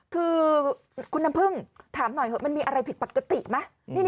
คือคุณน้ำพึ่งถามหน่อยเถอะมันมีอะไรผิดปกติไหม